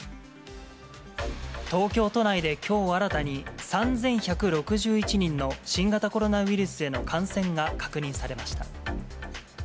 東京都内できょう新たに３１６１人の新型コロナウイルスへの感染が確認されました。